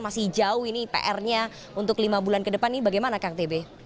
masih jauh ini pr nya untuk lima bulan ke depan ini bagaimana kang tb